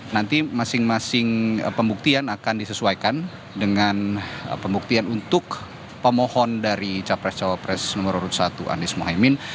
nanti masing masing pembuktian akan disesuaikan dengan pembuktian untuk pemohon dari capres cawapres nomor satu anies mohaimin